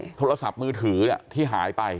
โทรศัพท์มือถือที่หายไป